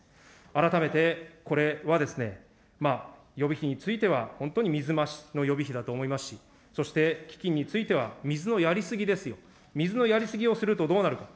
改めてこれはですね、予備費については、本当に水増しの予備費だと思いますし、そして基金については、水のやりすぎですよ、水のやりすぎをするとどうなるか。